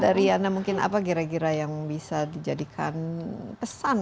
dari anda mungkin apa kira kira yang bisa dijadikan pesan